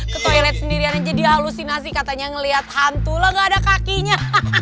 ketoilet sendirian aja dihalusinasi katanya ngeliat hantu lah gak ada kakinya